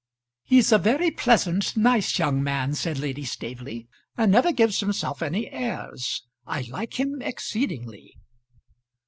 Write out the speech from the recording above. "He's a very pleasant, nice young man," said Lady Staveley; "and never gives himself any airs. I like him exceedingly."